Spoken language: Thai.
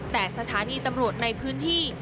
แต่สถานีตำรวจในพื้นที่